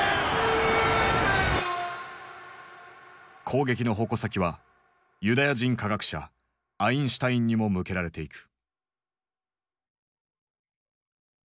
攻撃の矛先はユダヤ人科学者アインシュタインにも向けられていく。